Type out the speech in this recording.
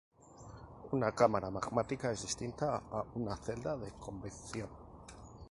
Una cámara magmática es distinta a una celda de convección.